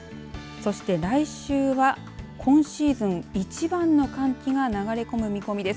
そして来週は今シーズン一番の寒気が流れ込む見込みです。